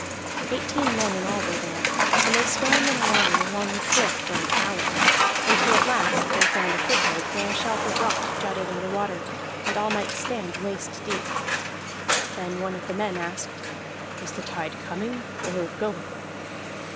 Eighteen men in all were there, and they swam in a line along the cliff for an hour, until at last they found a foothold where a shelf of rock jutted under water, and all might stand waist deep. Then one of the men asked: "Is the tide coming or going?"